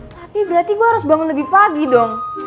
tapi berarti gue harus bangun lebih pagi dong